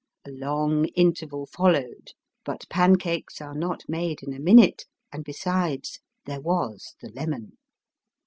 A long interval followed, hut pancakes are not made in a minute, and besides there was the lemon.